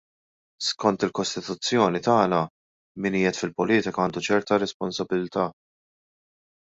Skont il-Kostituzzjoni tagħna min qiegħed fil-politika għandu ċerta responsabilità.